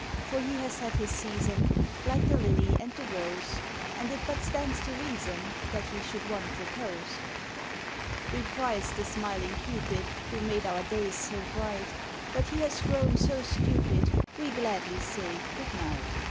For he has had his season, Like the lily and the rose, And it but stands to reason That he should want repose. We prized the smiling Cupid Who made our days so bright; But he has grown so stupid We gladly say good night.